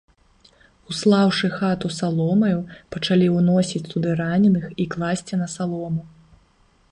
Услаўшы хату саломаю, пачалі ўносіць туды раненых і класці на салому.